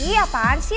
ih apaan sih